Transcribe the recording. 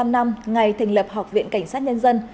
ngày thành lập học viện cảnh sát nhân dân